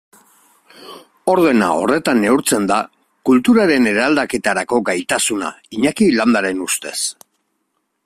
Ordena horretan neurtzen da kulturaren eraldaketarako gaitasuna Iñaki Landaren ustez.